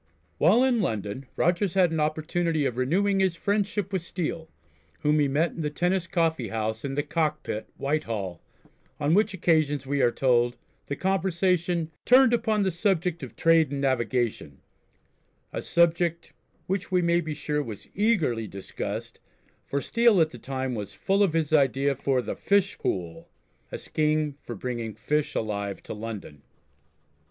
While in London Rogers had an opportunity of renewing his friendship with Steele, whom he met in the Tennis Coffee House in the Cockpit, Whitehall, on which occasions we are told the conversation "turned upon the subject of trade and navigation," a subject which we may be sure was eagerly discussed, for Steele at the time was full of his idea for the "Fish Pool," a scheme for bringing fish alive to London.